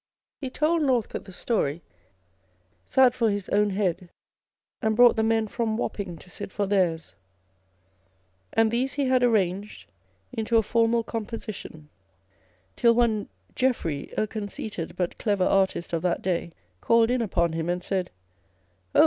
He told Korthcote the story, sat for his own head, and brought the men from Wapping to sit for theirs ; and these he had arranged into a formal composition, till one Jeffrey, a conceited but clever artist of that day, called in upon him, and said, " Oh